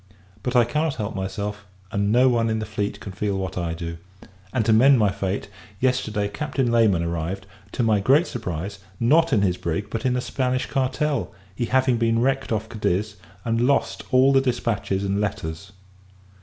But I cannot help myself, and no one in the fleet can feel what I do: and, to mend my fate, yesterday Captain Layman arrived to my great surprise not in his brig, but in a Spanish cartel; he having been wrecked off Cadiz, and lost all the dispatches and letters.